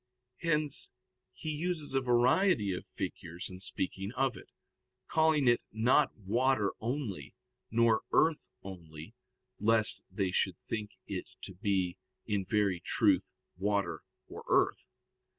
Hence he uses a variety of figures in speaking of it, calling it not water only, nor earth only, lest they should think it to be in very truth water or earth.